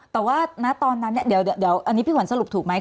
แต่ว่าณตอนนั้นเนี่ยเดี๋ยวอันนี้พี่ขวัญสรุปถูกไหม